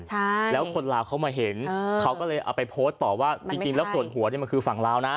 ใช่แล้วคนลาวเขามาเห็นเขาก็เลยเอาไปโพสต์ต่อว่าจริงจริงแล้วส่วนหัวเนี่ยมันคือฝั่งลาวนะ